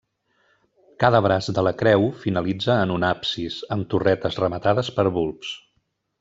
Cada braç de la creu finalitza en un absis, amb torretes rematades per bulbs.